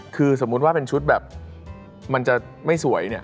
คือสมมุติว่าเป็นชุดแบบมันจะไม่สวยเนี่ย